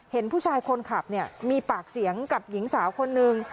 เห็นผู้ชายคนขับเนี่ยมีปากเสียงกับหญิงสาวคนนึง